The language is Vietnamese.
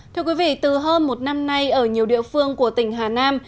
thưa quý vị từ hơn một năm nay ở nhiều địa phương của tỉnh hà nam